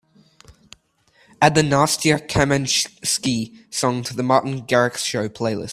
Add the Nastya Kamenskih song to my The Martin Garrix Show playlist.